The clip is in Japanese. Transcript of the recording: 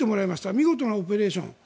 見事なオペレーション。